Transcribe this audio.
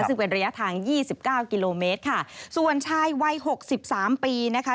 ซึ่งเป็นระยะทางยี่สิบเก้ากิโลเมตรค่ะส่วนชายวัยหกสิบสามปีนะคะ